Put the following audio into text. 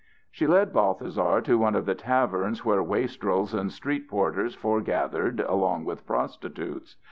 She led Balthasar to one of the taverns where wastrels and street porters foregathered along with prostitutes.